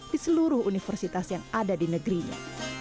di seluruh universitas yang ada di negerinya